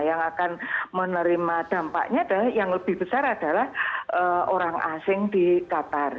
yang akan menerima dampaknya adalah yang lebih besar adalah orang asing di qatar